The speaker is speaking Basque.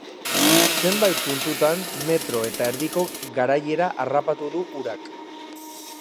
Zenbait puntutan, metro eta erdiko garaiera harrapatu du urak.